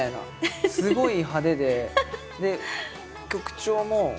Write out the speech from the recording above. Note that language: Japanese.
すごい派手でで曲調も歌詞も。